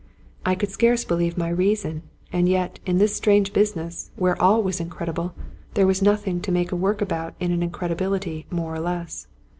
I could scarce believe my reason; and yet in this strange business, where all was incredible, there was nothing to make a work about in an incredibility more or less.